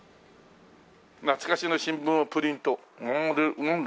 懐かしの新聞をプリントなんだ？